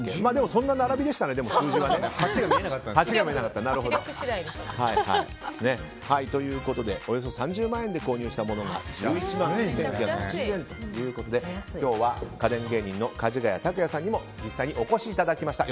そんな並びでしたね、数字は。ということでおよそ３０万円で購入したものが１１万１９８０円ということで今日は家電芸人のかじがや卓哉さんにも実際にお越しいただきました。